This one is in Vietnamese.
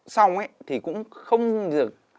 xong ấy thì cũng không được